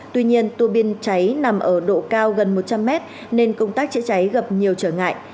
tuy nhiên tua biên cháy nằm ở độ cao gần một trăm linh mét nên công tác chữa cháy gặp nhiều trở ngại